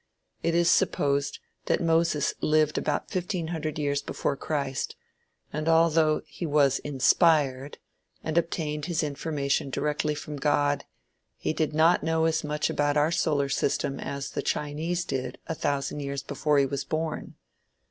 It is supposed that Moses lived about fifteen hundred years before Christ, and although he was "inspired," and obtained his information directly from God, he did not know as much about our solar system as the Chinese did a thousand years before he was born.